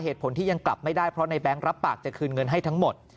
เหตุผลที่ยังกลับไม่ได้เพราะในแง๊งรับปากจะคืนเงินให้ทั้งหมด